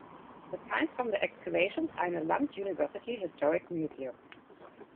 The finds from the excavations are in the Lund University Historic Museum.